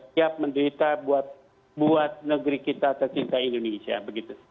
siap menderita buat negeri kita tersinta indonesia